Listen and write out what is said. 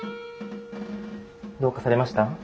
どうかされました？